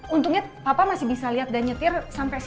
untungnya papa masih bisa lihat dan nyetir sampai sekarang